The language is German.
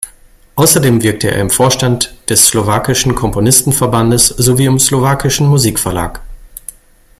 Außerdem wirkte er im Vorstand des slowakischen Komponistenverbandes sowie im Slowakischen Musikverlag.